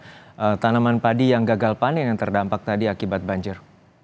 untuk tanaman padi yang gagal panen yang terdampak tadi akibat banjir